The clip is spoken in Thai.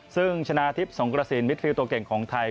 ซึ่งชนะทิพย์สงกระสินมิดฟิลตัวเก่งของไทย